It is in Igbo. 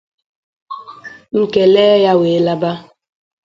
M kelee ya wee laba